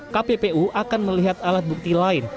kppu akan melihat alat bukti lain